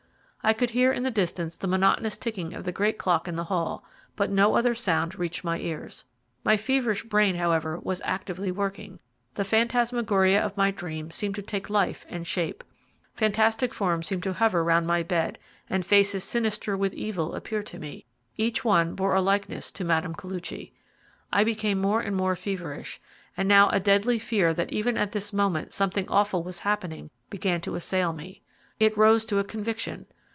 I could hear in the distance the monotonous ticking of the great clock in the hall, but no other sound reached my ears. My feverish brain, however, was actively working. The phantasmagoria of my dream seemed to take life and shape. Fantastic forms seemed to hover round my bed, and faces sinister with evil appeared to me each one bore a likeness to Mme. Koluchy. I became more and more feverish, and now a deadly fear that even at this moment something awful was happening began to assail me. It rose to a conviction.